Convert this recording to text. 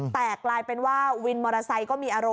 แต่กลายเป็นว่าวินมอเตอร์ไซค์ก็มีอารมณ